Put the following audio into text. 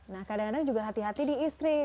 nah kadang kadang juga hati hati di istri